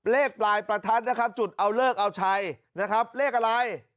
เลขปลายประทัดนะครับจุดเอาเลิกเอาชัยนะครับเลขอะไร